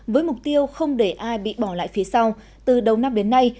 với mục tiêu không để ai bị bỏ lại phía sau từ đầu năm đến nay